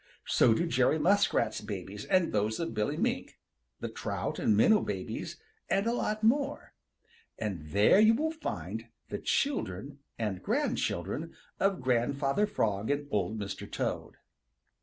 So do Jerry Muskrat's babies and those of Billy Mink, the Trout and Minnow babies, and a lot more. And there you will find the children and grandchildren of Grandfather Frog and Old Mr. Toad.